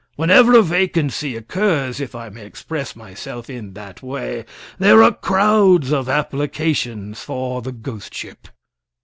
Whenever a vacancy occurs, if I may express myself in that way, there are crowds of applications for the ghost ship."